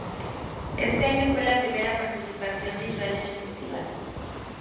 Este año fue la primera participación de Israel en el festival.